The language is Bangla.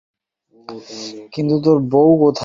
কিন্তু তোর বৌ কোথায়?